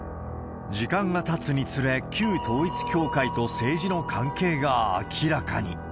時間がたつにつれ、旧統一教会と政治の関係が明らかに。